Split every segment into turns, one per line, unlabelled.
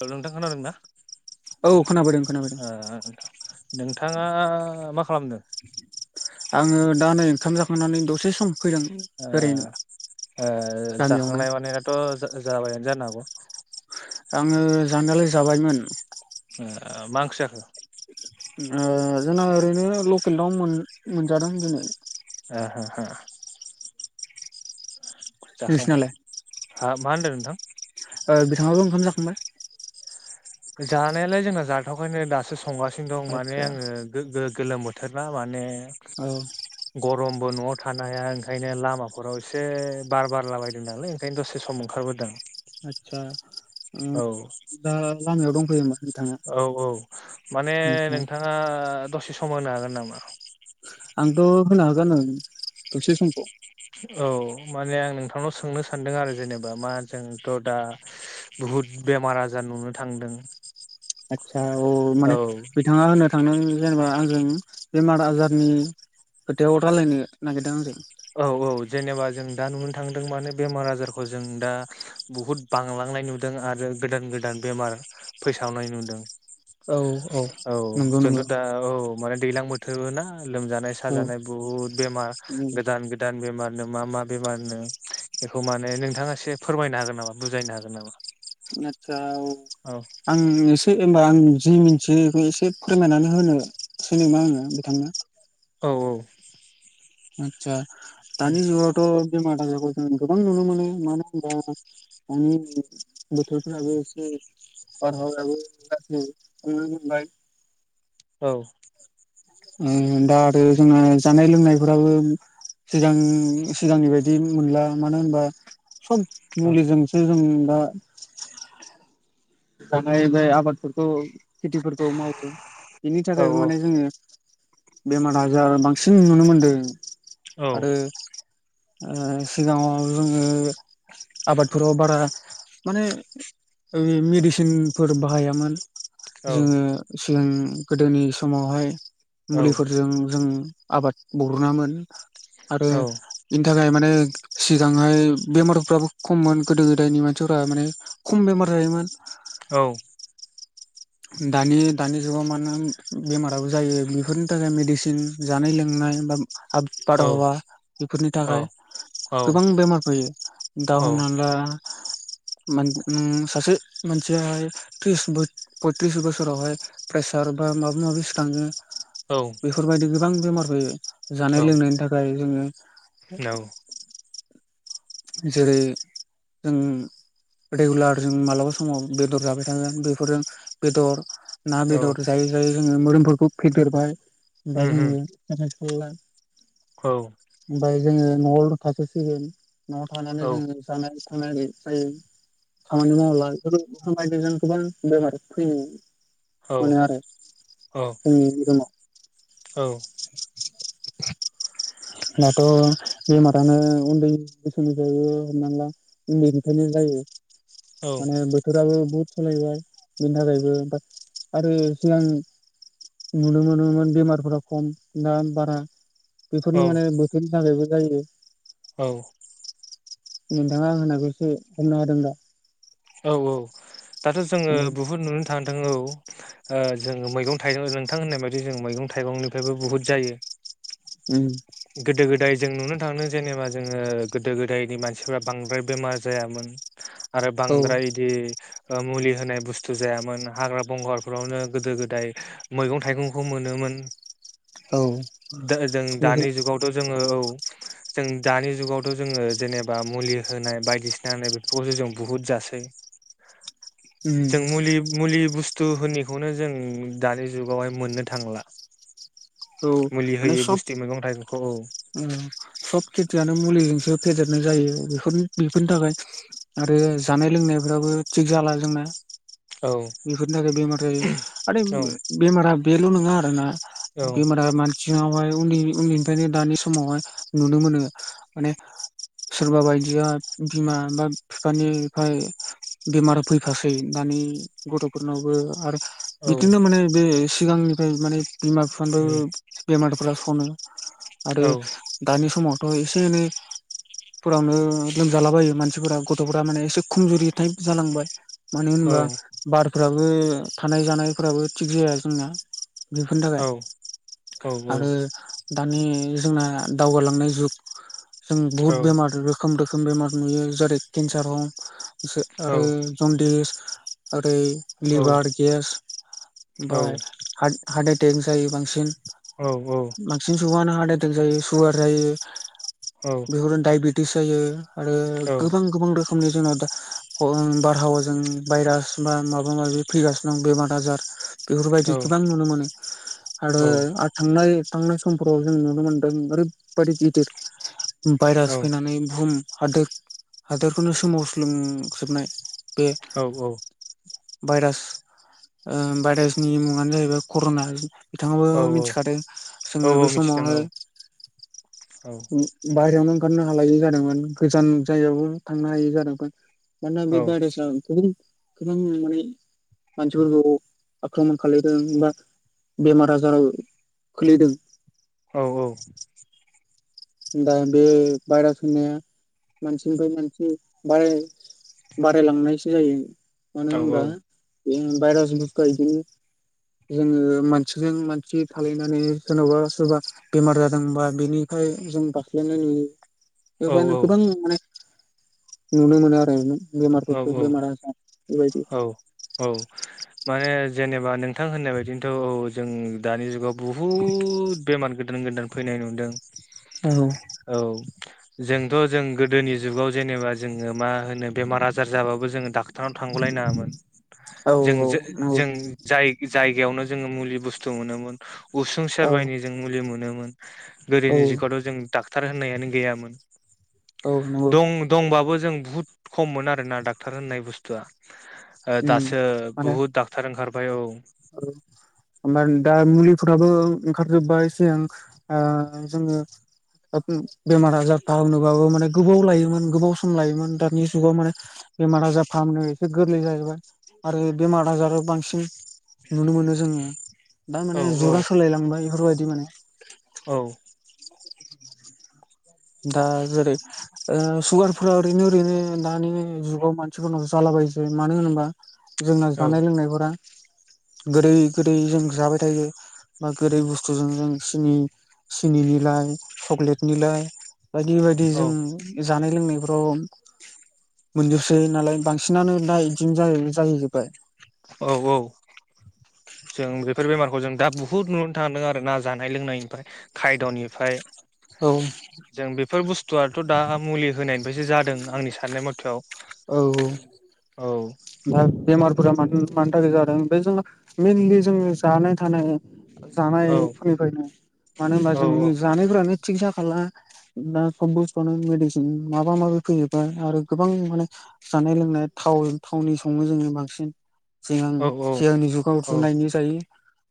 ओ नोंथां खोनादों ना
औ खोनाबोदों खोनाबोदों
ओ नोंथां। नोंथाङा मा खालामदों।
आङो दा नै ओंखाम जाखांनानै दसे सम। फैदों
ओ
बेरायनो
ओ
गामियावनो
जाखांनाय मानेत जो ओज जाबाय जानोहागौ।
आङो जानालाय जाबायमोन।
ओ मा ओंख्रि जाखो।
ओ जोंनाव ओरैनो लकेल दाव मोन मोनजानादोंनो।
ओहो हो। जाखां
नोंसिनालाय
हा मा होनदो नोथां।
ओ बिथाङाबो ओंखाम जाखांबाय।
जानायालाय जोंना जाथावखायनो दासो संगासिनो दं माने
आदसा
आंङो गोगोद। गोलोम बोथोर ना माने
औ
गरम। बो न'आव थानो हाया ओंखायनो लामाफोराव इसे बार बारलाबायदों नालाय ओंखायनो दसे सम ओंखारबोदों।
आतसा ओम
औ
दा लामायाव दंफैयोमोन। बिथाङा
औ औ माने
आदसा
नोंथाङा दसे सम होनो हागोन नामा।
आंथ' होनो हागोन दसे समखौ
औ माने आं नोंथांनाव सोंनो सानदों आरो जेनेबा मा जोंथ' दा बुहु हुद बेमार आजार नुनो थांदों
आदसा औ माने बिथाङा होननो थांदों जेनेबा आंजों बेमार आजारनि खोथायाव रायज्लायनो नागिरदों आंजों
औ औ जेनेबा जों दा नुनो थांदों माने बेमार आजारखौ जों दा बुहुद बांलांनाय नुदों आरो गोदान गोदान बेमार फैसावनाय नुदों औ
नंगौ
जोंथ'
नंगौ
दा औ म दैलां बोथोर ना लोमजानाय
औ
साजानाय बुहुद बेमार गोदान गोदान बेमार मा मा बेमारनो बेखौ माने नोंथाङा एसे फोरमायनो हागोन नामा बुजायनो हागोन नामा
आतसा औ आं एसे दे होनबा आं जि मिथियो बेखौ एसे फोरमायनानै होनोसै नामा आङो बिथांनो
औ औ
[unintelligible] ज गोबां नुनो मोनो मानो होनबा दानि बोथोरफ्राबो एसे [unintelligible]
औ
ओम दा आरो जोंना जानाय लोंनायफोराबो सिगां सिगांनि बायदि मोनला मानो होनबा सब मुलिजोंसो जों दा जानाय जायो आबादा थ' खेथिफोरखौ मावो बेनि
औ
थाखायबो माने जोङो बेमार आजार बांसिन जों नुनो मोनदों
औ
आरो सिगाङाव जोङो आबादफोराव बारा माने [unintelligible] मेडिसिनफोर बाहायामोन जोङो सिगां गोदोनि समावहाय मुलिफोरजों जों आबाद बरामोन आरो बेनि थाखाय माने सिगांहाय बेमारफ्राबो खममोन गोदो गोदायनि मानसिफोरा माने खम बेमार जायोमोन दानि दानि जुगाव मानो बेमाराबो जायो बेफोरनि थाखाय मेडिसिन जानाय लोंनाय बा बारहावा बेफोरनि थाखाय गोबां बेमार फैयो दाउ हमना ला सासे मानसियाहाय त्रिस बो पयथ्रिस बोसोरावहाय प्रेसार बा माबा माबि सिखाङो बेफोरबायदि गोबां बेमार फैयो जानाय लोंनायनि थाखाय जोङो
औ
जेरै जों रेगुलार जों मालाबा समाव बेदर जाबाय थागोन बेफोरजों बेदर ना बेदर जायै जायै जोङो मोदोमफोरखौ फेदेरबाय बा जोङो साय
औ
जोङो न'आव थासोसिगोन न'आव थानानै जोङो जानाय थानाय जायो। खामानि मावला। बेफोर [unintelligible] गोबां बेमार फैयो। मोनो आरो जोंनि रुमाव। दाथ' बेमारानो उन्दै बोसोरनिफ्रायबो हमना ला उन्दैनिफ्रायनो जायो। माने बोथोराबो बुहुद सोलायबाय। बिनि थाखायबो बाद आरो सिगां नुनो मोनोमोन बेमारफोरा खम दा बारा। बेफोरनो माने बोथोरनि थाखायबो जायो। नोंथाङा आं होननाखौ एसे हमनो हादों दा?
औ औ दाथ' जोङो
उम
बुहुद नुनो थांदों औ। ओ जोङो मैगं थाइगं नोंथां होननाय बायदि जों मैगं थाइगंनिफायबो बुहुद जायो। गोदो गोदाय जों नुनो थांङो जेनेबा जोङो गोदो गोदायनि मानसिफोरा बांद्राय बेमार जायामोन। आरो
औ
बांद्राय इदि ओ मुलि होनाय बुस थु जायामोन, हाग्रा बंगारफोरावनो गोदो गोदाय मैगं थाइगंखौ मोनोमोन।
औ
दा जों
बेफोर
दानि जुगावथ' जोङो औ। जों दानि जुगावथ' जोङो जेनेबा मुलि होनाय बायदिसिना होनाय बेफोरखौसो जों बुहुद जासै।
उम
जों मुलि मुलि बुस थु होनिखौनो जों दानि जुगावहाय मोननो थांला। मुलि होयो बुस्ति मैगं थाइगंखौ औ।
उम सब खेथियानो मुलिजोंसो फेदेरनाय जायो बेफोर बेफोरनि थाखाय आरो जानाय लोंनायफ्राबो थिग जाला जोंना।
औ
बेफोरनि थाखाय बेमार जायो आरो
औ
बेमारा बेल' नोङा आरोना।
औ
बेमारा मानसिनावहाय उन्दै-उन्दैनिफायनो दानि समावहाय नुनो मोनो, माने सोरबा बायदिया बिमा बा फिफानिफाय बेमार फैफासै, दानि गथ'फोरनावबो आरो
औ
बिदिनो माने बे सिगांनिफाय माने बिमा बिफानिफाय बेमार फोरा सनो आरो दानि समावथ' एसे एनै फोरावनो लोमजालाबायो मानसिफोरा गथ'फोरा माने एसे खुमजुरि थायफ जालांबाय। मानो
औ
होनोबा बारफोराबो थानाय जानायफोराबो थिग जाया जोंना। बेफोरनि
औ
थाखाय आरो दानि जोंना दावगालांनाय जुग, जों बुहुद बेमार रोखोम रो खोम बेमार नुयो। जेरै केन्सार हक
औ
आरो जन्दिस ओरै
औ
लिभार गेस, ओमफाय हाट हाट एटेक जायो बांसिन। बांसिन सुबानो हाट एटेक जायो, सुगार जायो।
औ
बेफोरनो दायबेटिस जायो आरो
औ औ
गोबां गोबां रोखोमनि जोंनाव दा ओम बार'हावाजों भाइरास बा माबा माबि फैगासिनो दं बेमार आजार।
औ
बेफोरबायदि गोबां नुनो मोनो आरो
औ
आ थांनाय थांनाय समफोराव जों नु नुनो मोन्दों ओरैबादि गिदिर
औ
भायरास फैनानै बुहुम हादोद हादोरखौनो सोमावस्लुंजोबनाय। बे
औ औ।
भाइरास ओ भाइरासनि मुङानो जाहैबाय कर'ना। बिथाङाबो
औ
मिथिखादों
औ
जोङो बे
औ
समावहाय
मिथिदों औ
बायरायावनो ओंखारनो हालायै जादोंमोन। गोजान जायगायावबो थांनो हायि जादोंमोन। मानोना बे
औ
भाइरासआ गुबुं गोबां माने मानसिफोरखौ आख्रमन खालायदों बा बेमार आजाराव खोलैदों।
औ औ।
दा बे भायरास होननाया मानसिनिफाय मानसि बाराय बारायलांनायसो जायो मानो
औ
होनबा भाइरास बुसतुआ इदिनो - जोङो मानसिजों मानसि थालायनानै सोरनावबा सोरबा बेमार जादोंबा बेनिखाय जों बारख्लायनाय नुयो बेवहायनो गोबां माने नुनो मोनो आरो।
औ
बेमारफोरखौ बेमार आजार बेबायदि
औ औ औ माने जेनेबा नोंथां होननाय बायदिनोथ' औ जों दानि जुगाव बुहुद बेमार गोदान गोदान फैनाय नुदों।
औ
औ जोंथ' जों गोदोनि जुगाव जेनेबा जोङो मा होनो बेमार आजार जाबाबो जोङो डाक्टारनाव थांगौलाय नङामोन जों
औ नंगौ
जों जाय जायगायावनो जोङो मुलि बुस्थु मोनोमोन उसुं
औ
सेरबायनो जों मुलि मोनोमोन
औ
गोदोनि जुगथ' जों डाक्टार होननायानो गैयामोन
औ नंगौ
दं दंबाबो जों बुहुद खम मोन आरोना डाक्टर होननाय बुस्थुआ।
उम
दासो
माने
बुहुद डाक्टार ओंखारबाय औ
औ ओमफ्राय दा मुलिफोराबो ओंखारजोब्बाय सिगां जोङो- बेमार आजार था होनोबाबो माने गोबाव लायोमोन गोबाव सम लायोमोन दानि जुगाव माने बेमार आजार फाहामनायाव एसे गोरलै जाहैबाय आरो बेमार आजाराव बांसिन नुनो मोनो जोङो दा
औ
माने
औ
जुगा सोलायलांबाय बेफोरबायदि माने
औ
दा जेरै सुगारफोरा ओरैनो ओरैनो दानि जुगाव मानसिफोरनाव जाला ायायो मानो होनोबा जोंना जानाय
औ
लोंनायफोरा गोदै गोदै जों जाबाय थायो। बा गोदै बुस्थुजों जों सिनि सिनिनिलइ सक्लेट निलइ बायदि बायदि जों जानाय लोंनाय ' मोनजोबसै नालाय बांसिनानो दा बिदिनो जाहैजोबबाय
औ औ जों बेफोर बेमारखौ जों दा ब बुहुद नुनो थांदों आरो ना जानाय लोंनायनिफ्राय खायद'निफ्राय
औ
जों बेफोर बुस्थुआथ' दा मुलि होनायनिफ्रायसो जादों आंनि साननाय मथआव
औ दा बेमारफोरा मानि थाखाय जादों ओमफ्राय जों मइेनलि जों जानाय थानाय
औ
जानायफोरनिफ्रायनो मानो होनबा
औ
जोंनि जानायफोरानो सिकितसा खालाम दा सब बुस्थुनो मेडिसिन माबा माबि फैजोबबाय आरो गोबां माने जानाय लोंनाय थाव थावनि सङो जोङो बांसिन सिगां
औ औ
हेलांनि जुगाव
औ
रुनायनि जायो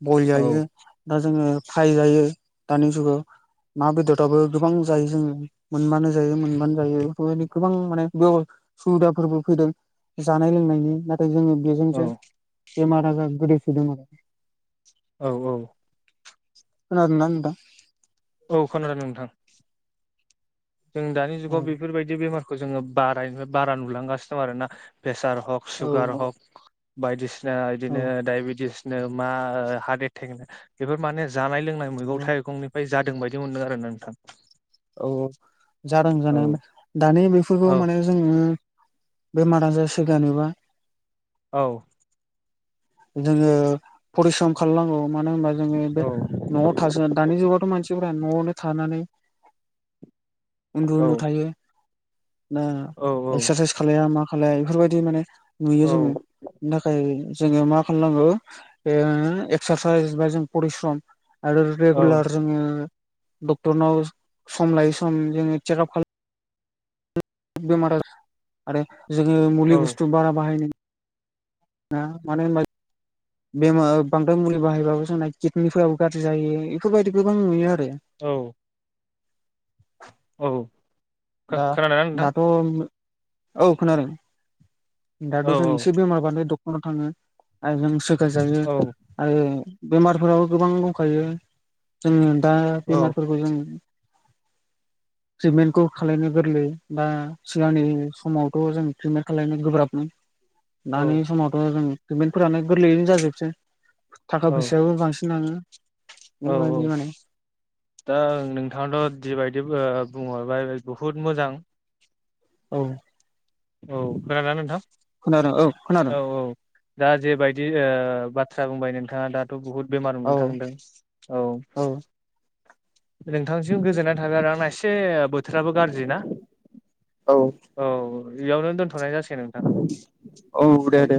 बल जायो दा जोङो फाय जायो दानि जुगाव ना बेदराबबो गोबां जायो जोङो मोनबानो जायो मोनबानो जायो बेफोरबायनो गोबां माने बे सुबिदाफोरबो फैदों जानाय लोंनायनि नाथाय जोङो बेजोंसो
औ
बेमार आजार गोदैसोदों आरो
औ औ
खोनादोंना नोंथां
औ खोनादों नोंथां। जों दानि जुगाव
औ
बेफोरबायदि बेमारखौ जोङो बाराय बारा नुलांगासिनो दं आरो ना प्रेसार हक सुगार
औ
हक बायदिसिना
औ
बिदिनो दडायबेटिस मा हार्ट एटेक बेफोर माने जानाय लोंनाय
औ
मैगं थाइगंनिफ्राय जादों बायदि मोनदों आरो ना नोंथां
औ जादों
औ
जानाय दानि बेफोरखौ
औ
माने जोङो। बेमार आजार सोखानोबा
औ
जोङो फरिस्रम खालामनांगौ मानो होनबा जोङो
औ
बे न'आव थासो दानि जुगावथ' मानसिफोरा न'आवनो थानानै उन्दु
औ
उन्दु थायो। दा
औ
एक्सारसाइस खालाया मा खालाया बेफोरबायदि माने नुयो जोङो बिनि थाखाय जोङो मा खालामनांगौ एक्सारसाइस बा जों परिस्रम आरो
औ
रेगुलार जोङो डक्टरनाव सम लायै सम जोङो चेकआप खालाम बेमार आरो जोङो मुलि बुस्थु बारा बाहायनो नाङा मानो होनबा बेमार बांद्राय मुलि बाहायबाबो जोंना किडनिफोराबो गाज्रि जायो इफोरबायदि गोबां नुयो आरो
औ औ
दा
खोनादोंना नोंथां
दाथ' औ खोनादों दाथ'
औ
जों
औ
एसे बेमार बानो डक्टरनाव थाङो आरो जों सोखा जायो
औ
आरो बेमारफोराबो गोबां दंखायो जोङो दा
औ
बेमारफोरखौ जों थ्रिथमेनखौ खालायनो गोरलै बा सिगांनि समावथ' जों ट्रिटमेन्ट खालायनो गोब्राबमोन दानि समावथ' जों ट्रिमेन्टफोरानो गोरलैयैनो जाजोबसै थाखा
औ
फैसायाबो बांसिन थाङो
औ औ
बेबायदि माने
दा नोंथाङाथ' जिबायदि बुंहरबाय बुहुद मोजां
औ
औ खोनादोंना नोंथां
खोनादों औ खोनादों
औ औ दा जेबायदि बाथ्रा बुंबाय नोंथाङा दाथ' बुहुद बेमार
औ
मोननो थांदों औ नोंथांनिसिम गोजोननाय थाबाय आरो आंना एसे बोथोराबो गाज्रि ना
औ
औ बेयावनो दोन्थ'नाय जासिगोन नोंथां
दे
औ
दे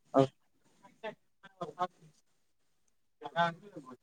औ [unintelligible]